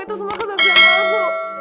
itu semua kebohongan aku